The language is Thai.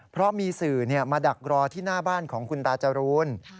เพราะมีสื่อมาดักรอที่หน้าบ้านของคุณตาจรูน